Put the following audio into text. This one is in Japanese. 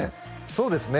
そうですね